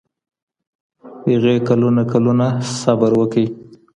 هغې کلونه کلونه صبر وکړ.